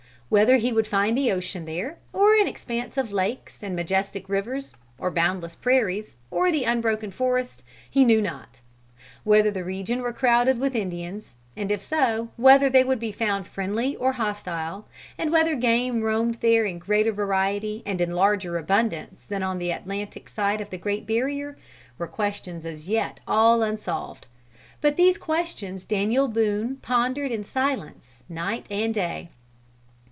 Whether he would find the ocean there or an expanse of lakes and majestic rivers, or boundless prairies, or the unbroken forest, he knew not. Whether the region were crowded with Indians, and if so, whether they would be found friendly or hostile, and whether game roamed there in greater variety and in larger abundance than on the Atlantic side of the great barrier, were questions as yet all unsolved. But these questions Daniel Boone pondered in silence, night and day.